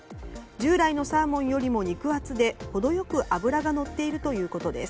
従来のサーモンよりも肉厚で程良く脂がのっているということです。